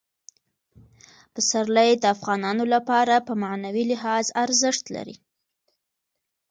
پسرلی د افغانانو لپاره په معنوي لحاظ ارزښت لري.